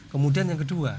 kemudian yang kedua